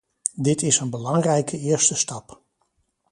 Dit is een belangrijke eerste stap.